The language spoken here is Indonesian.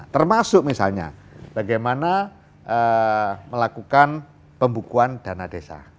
termasuk misalnya bagaimana melakukan pembukuan dana desa